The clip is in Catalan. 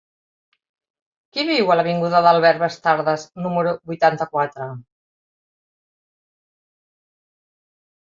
Qui viu a l'avinguda d'Albert Bastardas número vuitanta-quatre?